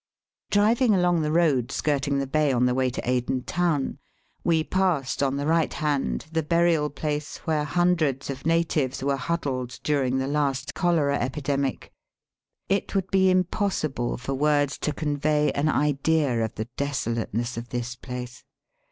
Driving along the road skirting the bay on the way to Aden town, we passed on the right hand the burial place where hundreds of natives were huddled during the last cholera epidemic. It would be impossible for words to convey an idea of the desolateness of this place.